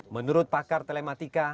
menurut pakar telematika